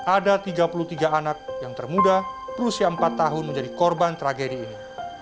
ada tiga puluh tiga anak yang termuda berusia empat tahun menjadi korban tragedi ini